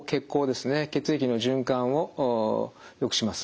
血液の循環をよくします。